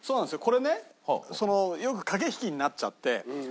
これねよく駆け引きになっちゃって。